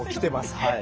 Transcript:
はい。